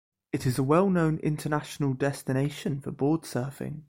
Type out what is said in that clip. It is a well-known international destination for board-surfing.